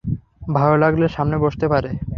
ভালো লাগলে সামনে বসতে পারে।